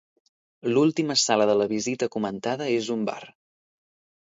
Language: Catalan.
L'última sala de la visita comentada és un bar.